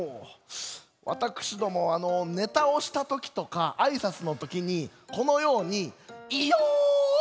わたくしどもはネタをしたときとかあいさつのときにこのように「いよっ」。